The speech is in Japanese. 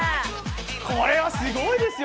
これはすごいですよ！